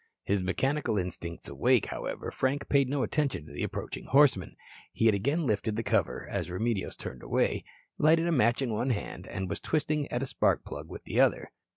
His mechanical instincts awake, however, Frank paid no attention to the approaching horseman. He had again lifted the cover, as Remedios turned away, and, lighted match in one hand, was twisting at a spark plug with the other.